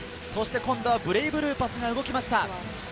今度はブレイブルーパスが動きました。